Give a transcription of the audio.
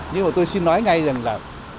nhưng mà tôi xin nói ngay rằng là